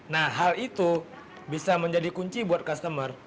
nah hal itu bisa menjadi kunci buat customer